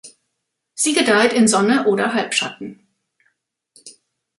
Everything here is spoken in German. Sie gedeiht in Sonne oder Halbschatten.